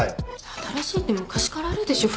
新しいって昔からあるでしょ？